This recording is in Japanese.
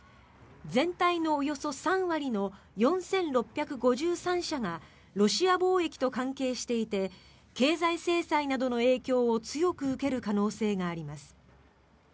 全体のおよそ３割の４６５３社がロシア貿易と関係していて経済制裁などの影響を強く受ける可能性があります。